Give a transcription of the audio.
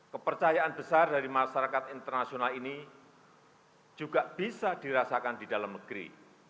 kepercayaan besar dari masyarakat internasional ini juga bisa dirasakan di dalam negeri